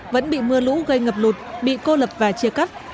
vẫn bị mưa lũ gây ngập lụt bị cô lập và chia cắt